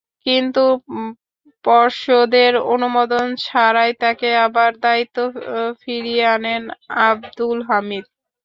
কিন্তু পর্ষদের অনুমোদন ছাড়াই তাঁকে আবার দায়িত্ব ফিরিয়ে আনেন আবদুল হামিদ।